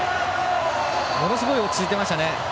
ものすごい落ち着いてましたね。